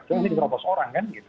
karena ini diropos orang kan gitu